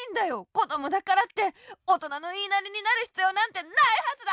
こどもだからっておとなのいいなりになるひつようなんてないはずだ！